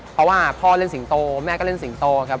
เพราะว่าพ่อเล่นสิงโตแม่ก็เล่นสิงโตครับ